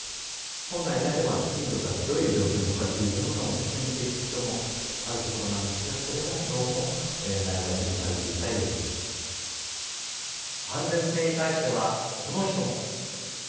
本来であれば金属がどういう状況に置かれているのかも確認していく必要もあるところなんですが、それがどうもないがしろにされて安全性に対しては、この人も。